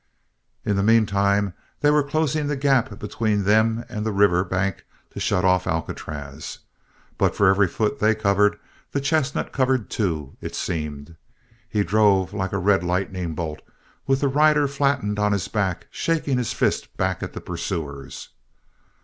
In the meantime, they were closing the gap between them and the river bank to shut off Alcatraz, but for every foot they covered the chestnut covered two, it seemed. He drove like a red lightning bolt, with the rider flattened on his back, shaking his fist back at the pursuers.